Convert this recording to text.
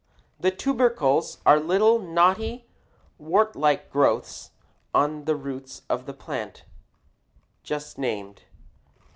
The tubercles are little knotty, wart like growths on the roots of the plants just named.